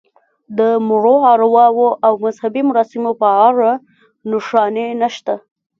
د مړو ارواوو او مذهبي مراسمو په اړه نښانې نشته.